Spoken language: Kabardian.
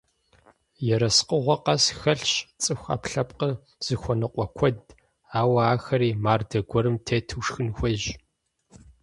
Ерыскъыгъуэ къэс хэлъщ цӀыху Ӏэпкълъэпкъыр зыхуэныкъуэ куэд, ауэ ахэри мардэ гуэрым тету шхын хуейщ.